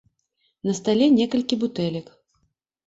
На стале некалькі бутэлек.